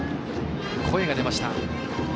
声が出ました。